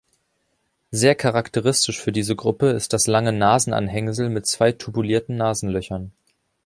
Sehr charakteristisch für diese Gruppe ist das lange Nasenanhängsel mit zwei tubulierten Nasenlöchern.